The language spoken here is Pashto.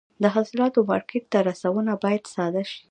د حاصلاتو مارکېټ ته رسونه باید ساده شي.